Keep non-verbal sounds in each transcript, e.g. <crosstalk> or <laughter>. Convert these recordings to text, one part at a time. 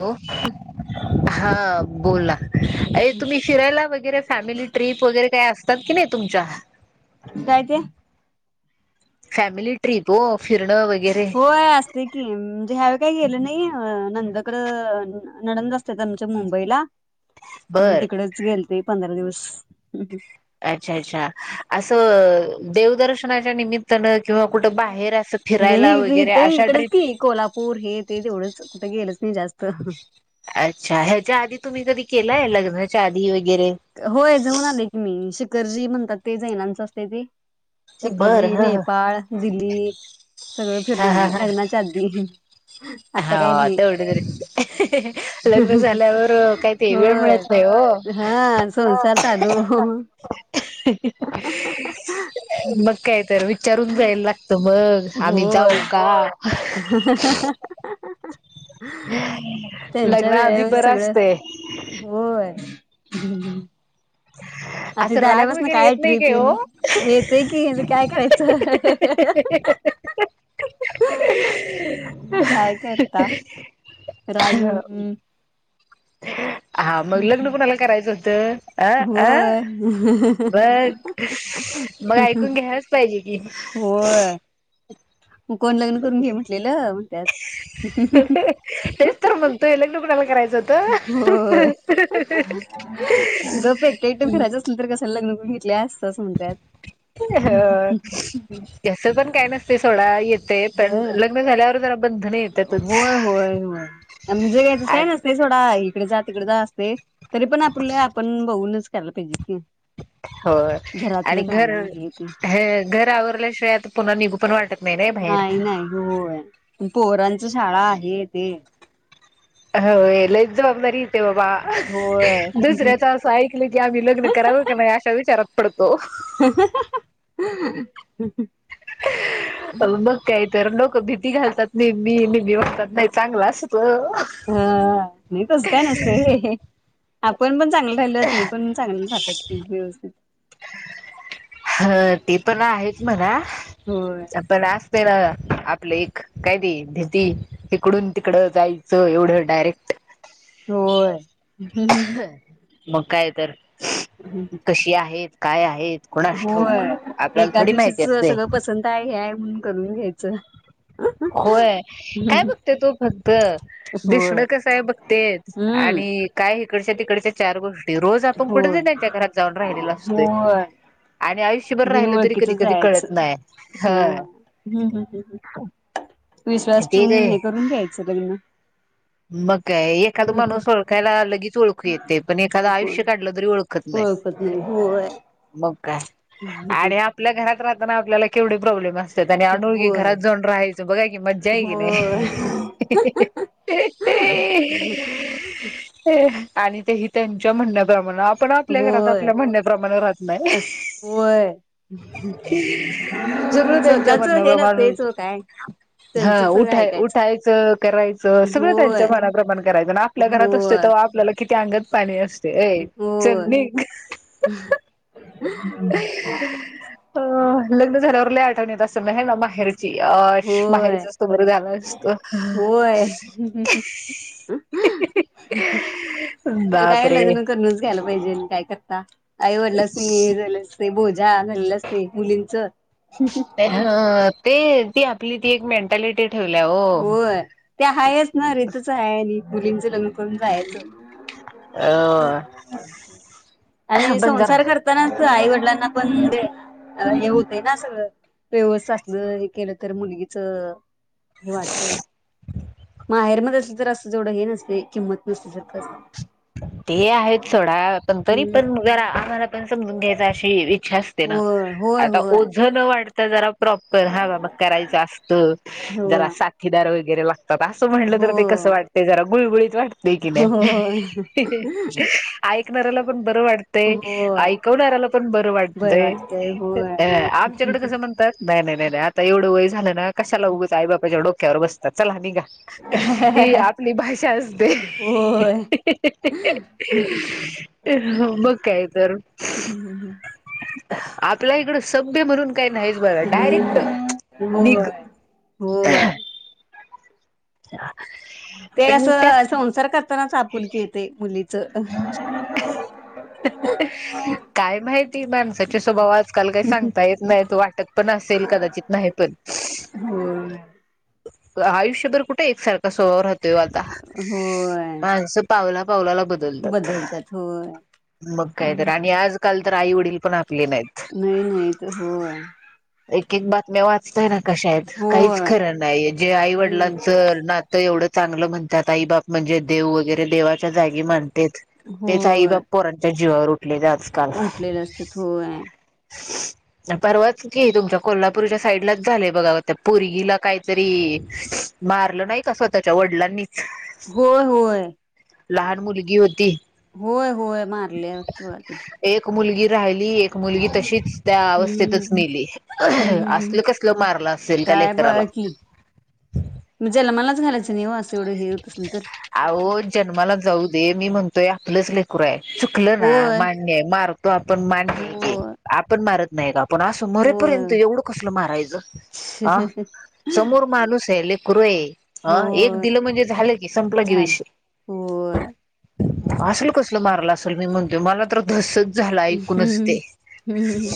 अ. हा बोला आई तुम्ही फिरायला वगैरे फॅमिली ट्रिप वगैरे काय अस त्यात की नाही तुमच्या काय ते फॅमिली ट्रिप ओ होय असते की म्हणजे ह्या काही गेलं नाही ननंदंकडं ननंद असत्यात आमच्या मुंबईला मग बर तिकडेच गेलते पंधरा दिवस हू हू अच्छा अच्छा असं देवदर्शनाय च्या निमित्तानं किंवा कुठं बाहेर असं नाही फिरायला वगैरे इथ अशा इकडच ट्रीप कुठं गेलच नाही जास्त अच्छा ह्याच्या आधी तुम्ही कधी केलय लग्नाच्या आधी वगैरे होय जाऊन आले की मी तशी शिखरजी म्हणतात ते जैनांच असते ते बर शिखरजी ह ह नेपाळ दिल्ली सगळं फिरून हा हा आलेय हा लग्नाच्या आधी आता काही हा नाही तेवढे तरी लग्न झाल्यावर काय ते वेळ होय मिळत नाही हो हा संसार चालू मग काय तर विचारून जायला लागतय ओ मग आम्ही जाऊ का हा. हा. हा... अह. अह ह लग्ना आधी वेळेवर बरं असतंय हम आता असं इथं आल्या राग पसनं वगैरे येत काय नाही ट्रीप ईल.... हो येतेय की काय करायचं काय करता रागम् <unintelligible> हा मग लग्न कोणाला करायचं. तर. अ अ होय बघ मग ऐकून घ्यायलाच पाहिजे कि. होय मग कोण लग्न करून घे म्हटलेलं म्हण त्यात. तेच तर म्हणतोय लग्न कुणाला करायचं होत. बघितल्यास. हो त्यास पण काही नसते. थोडा येत. होय. येतातच होय.. होय.. म्हणजे यांच काही नसतय सोडा. इकडे जा, तिकडे जा अस ते. तरी पण आपलं आपण बघूनच. चार पाहिजे की <inaudible> होत आणि घरातलं घर काम हे ते हे घर आवरल्याशिवायता पुन्हा निघू पण वाटत नाही ना बाहेर नाही नाही होय पोरांचं शाळा आहे ते. हो ए लईच जबाबदारी. ते बाबा! हं.. होय हं दुसऱ्याच असं ऐकलं, की आम्ही लग्न करावं का? नाही, अशा विचारत. पड <unintelligible> हममं <unintelligible> <unintelligible> अगं! मग काय? तर भीती घालतात मी मी मी म्हणतात नाही चांगलं असतं हा नाही तस काय नसत? र <unintelligible> आपण पण. चांगलं राहिलं तिने पण चांगलं खातात व्यवस्थित. <inaudible> हा ते पण आहेत म्हणा होय पण आ असते ना आपले एक काय ते भीती इकडून तिकड जाय <unintelligible> एवढं डायरेक्ट. हा.. <unintelligible> आहे <unintelligible> मग काय तर? <inaudible> कशी आहेत? काय आ.. होय <unintelligible> एका दिवशीच माहिती असते. सगळं पसंत आहे हेय म्हणून करून घ्यायचं होय काय बघतेत ओ फक्त होय दिसण कसय? बघते हम्म आणि काय? इकडच्या त इकडेच्या चार गोष्ट रोज आपण कुठेतरी होय त्यांच्या घरात जाऊन राहिलेला असतोय, होय आणि आयुष्य वर्षभर राहिलो तरी बिनओळखीच कधी? कधी? जायचं कळत नाही होय हम्म हम् ह हा विश्वास ठेवून हे करून घ्यायच सग ना मग काय एखादा माणूस ओळखायला लगेच ओळखू येते पण एखादं होय आयुष्य काढलं तरी ओळखत नाही ओळखत नाही होय मग काय आणि आपल्या घरात राहताना आपल्याला केवढे प्रॉब्लेम असतात आणि अनुळगी होय घरात जाऊन राहायचं बघा की मजा आहे की नाही ह आणि ते ह त्यांच्या म्हण मा आपण आपल्या घरात होय आपल्या म्हणण्यापमाणे राहत नाही अस होय सगळं त्यांच्या स्वतःच हे म्हणण्यापमाण नसतेच हो काय हा त्यांचच सगळं उठा ऐकायचं उठायचं करायचं सगळं त्यांच होय मनाप्रमाण करायचं आपल्या घरात असत होय ते आपल्याला किती अंगत पाले अस ए होय चनी अ लग्न झाल्यावर ल आ आ ता सं नाही म नावा बाहेर होय असतं होय काय बापरे लग्न करूनच घ्यायला पाहि. जे म काय करता आईवडला हे झालं बोज जा झाल्लं असते मुलींच ह ते ती आपली ती एक मेंटॅलिटी ठेवल्या हो होय ते हायच ना रीतच आहे आणि मुलीन जलंल पण जायचं अ आणि पण जरा संसार करताना पण आई वडिलांना हे वाटत माहेर मधेच तर असं जवढं हे नसते किंमत नसते तरस ते आहेत सोडा पण तरी हम्म पण जरा आम्हाला पण समजून घ्यायंचअशी असते ना होय आता होय ओझ न वाढ तर जरा प्रॉपर हा बाबा करायचं असतं जरा होय साथीदार वगैरे लागत बाबा असं म्हणलं होय तर ते कसं हो वाटतयं जरा गुळगुळीत वाटते की नय? होय ऐकणाऱ्याला पण बरं वाटतय होय आईकवनाऱ्याला पण बरं वाटत बर वाटतय होय अ आमच्याकडे कसं म्हणतात? नाही नाही नाही नाही आता एवढं वय झालं ना. कशाला उगच आई बापाच्या डोक्यावर बसता चला निघा. ही आपली भाषा असते. ही होय ही ही मग कायतर - - आपल्या इकडच - - सभ्य म्हणून काही नाहीच बघा नाही डायरेक्ट नाही होय निघ - होय - <inaudible> ते पण त्या असं संसार करतानाच आपुलकी येते मुली. तर - - काय माहिती माणसाचे स्वभाव आजकाल काही सांगता येत नाहीत वाटत पण असेल कदाचित नाही पण- - होय आयुष्यभर कुठे एकसारखा स्वभाव राह - - तो आता होय माणसं पावला पावलाला बदलतात. मग कायतर हम्म आणि आजकाल - - तर आई वडील पण आ - - नाही नाही. तर होय. एक बातम्या वाचतय ना? कशा आहेत काहीच होय खरं ना - - नाही. जे आई हम्म वडलांचं नात एवढं - - चांगलं म्हणतात. आई बाप म्हणजे देव वगैरे देवा - - जागी मानतेत तेच आई होय बाप पोरां- - जीवावर उ - - ठलेत आजकाल - - उठलेले असतात होय परवात की तुमचं कोल्हापूरच्या साईडलाच झालंय बघा ओ त्या परीगीला काय तरी मारलं नाही का स्वतःच्या वडिलांनी? होय होय लहान मुलगी होती. होय. होय मारलंत होय. एक मुलगी - - राहीली एक मुलगी तशीच त्या हम्म अवस्थेतच मेली अ ह हम्म ह हम्म हम्म असलं कसलं मारलं असेल त्या काय लेकराला? बघा की मग जन्मालाच घालायचं - - आहो, जन्मालाच जाऊ ते मी म्हणतोया आपलंस ले - - पुराय चुकलं ना होय मान्यय मार तो आपण मान्यय की होय आपण मारत <unintelligible> पण असं मरे होय पर्यंत एवढं कसलं मारायचं हां समोर माणूस हाय ले करूय आ एक होय दिलं म्हणजे झालं की संपलं की झालं विषय होय असलं कसलं मारलं असलं मी म्ह मला तर धस्स झालं ऐैकूनच हम्म ते हम्म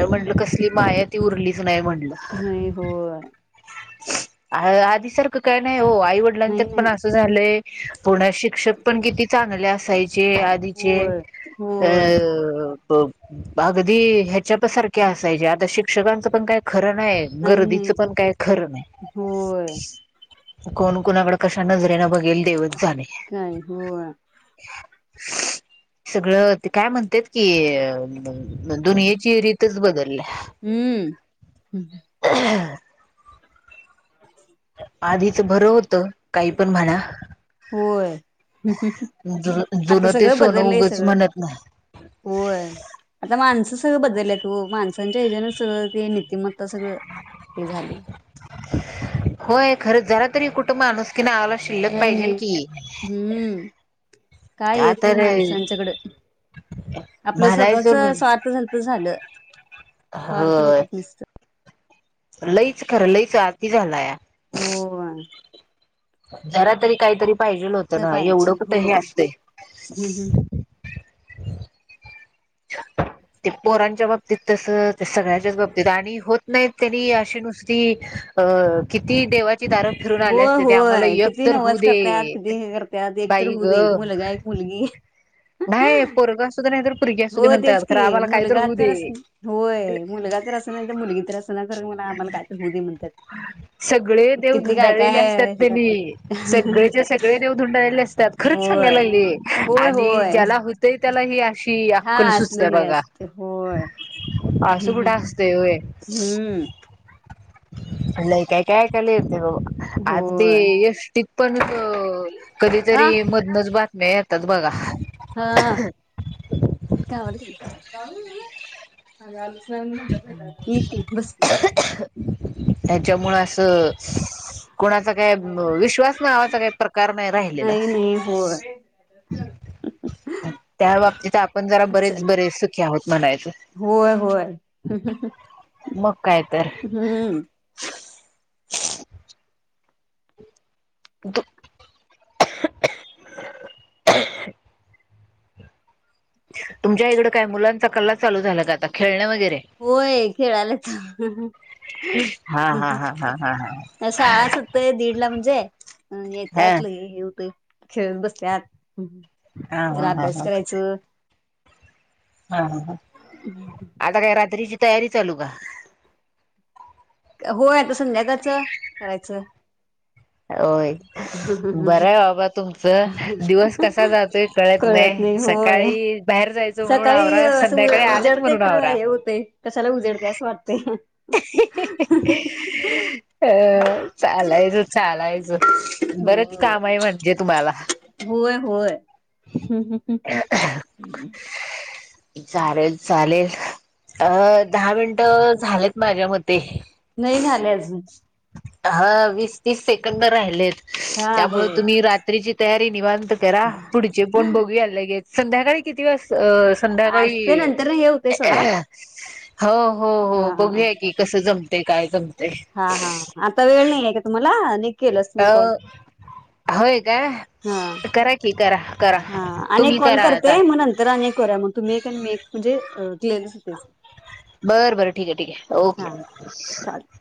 ए म्हटलं कसली माया ती उरलीच नाही म्हण नाही होय आधी सारखं काय नाही हो आई नाही वडिलांच्यात पण नाही असं झालय पुन्हा शिक्षक पण किती चांगले असाय चे आधीचे होय होय बग आगदी ह्याच्यात सारखे आसायचे आता शिक्षकांचं पण काय ख खरं नाय नाही नाही गर्दीचं पण काय खरं नाय होय कोण कोनाकडं कश्या नजरेनं बघेल देवच जाणे काय होय सगळं ते काय म्हणत्यात की अं दुनियेची रीत तेच बदल्या हम्म <inaudible> आधीच बरं होत. काही पण म्हणा होय जु आता जुनं ते सगळं सोनं बदललंय उगच सगळं म्हणत नाही होय आता म माणसं सगळ बदलल्यात हो माणसं त्यांचा ह्याजानच सगळं ते नीतिमत्ता सगळं हे झाली होय खरं जरा तरी कुठं माणूसकि नावाला शिल्लक नाही पाहिजेल नाही की हम्म काय त्या येत नाही तर माणसांच्याकडं आपलं स्वतःच म्हणायचं स्वार्थ झालत झालं. स्वार्थ बघतात नुसतं <unintelligible> लईच खरं लईच आती झालाया. होवाण जरा तरी काहीतरी पाहिजेल होत काय ना पाहिजे एवढं कुठ हे होय असते. हम्म हम्म ते पोरांच्या बघ ते तस सगळ्यांच्याच बाबतीत आणि होत नाहीत त्यांनी अशी नुसती अ किती देवा होय होय किती होऊ नवस करत्यात दे किती हे करत्यात एक तर बाई होऊ दे ग मुलगा एक मुलगी. नाही पोरग असुदे नाही तर पोरगी असू हो दे म्हणतात तेच की खरं आम्हाला काय मुलगा होऊ तर अस दे. होय मुलगा तर अस नाय तर मुलगी तर असनाय तर आम्हाला काय तर होऊ दे म्हणत्यात सगळे देव किती काय धुंडाळलेले असतात काय त्यांनी. ह तात खरंच सांगाय लागलिये आणि ज्याला होतय त्याला ही अशी हा अक्कल असल सुचते हे बघा असते होय असं हम्म कुठे असतंय होय. हम्म <unintelligible> आता ते होय एसटीत पण अ अ कधीतरी मधनच बा म येतात बघा हा <unintelligible> <unintelligible> ठीक आहे बस याच्यामुळ असं कोणाचा काय ब विश्वास नावाचा काही प्रकार नाही राहिलेला. नाही होय त्या बाबतीत आपण जरा बरेच चल बरे सुखी आहोत म्हणायचं होय होय मग काय तर. हम्म <unintelligible> दु तुमच्या इकडडे काय मुलांचा कल्ला लू झाला का आता खेळण्या होय खेळालाच हा हा हा हा हा हा शाळा सुटताय दीड ला म्हणजे हा येतात लगे खेळत बसल्यात हा जरा हा अभ्यास हा करायच हा ह ह आता काय रात्रीची तयारी चालू का होय आता संध्याकाळच करायचं होय बरय बाबा तुमचं दिवस कसा जातोय कळत नाही सकाळी बाहेर जायचं म्हणून सकाळी आवरा असं संध्याकाळी आलेत उजडते म्हणून खरं आवरा हे होते कशाला उजडते असं वाटते ही ही ही अ चालायच हो चालायच बरेच काम होय आहे म्हणजे तुम्हाला हम्म हम् हम् चालेल चालेल अ दहा मिनिट झालेत माझ्या मते नाही झाले अजून हा वीस तीस सेकंद राहिलेत हा त्यामुळे होय तुम्ही रात्रीची तयारी निवांत रा पुढचे पण बघूयाला गे संध्याकाळी किती वा अ आज संध्याकाळी ते नंतर हे होते सोडा हो हो हा हो बघूया की कसं जम ते काय जमते हा हा आता वेळ नाही आहे का तुम्हाला केलंच अ तुम्ही कॉल होय काय हा करा कि करा करा हा तुम्ही अनेक कॉल करा करते आता मग नंतर अनेक करूया मग तुम्ही एक मी एक म्हे्िअरन होते बर बरं ठीक आहे ठीक आहे हा चालेल ओके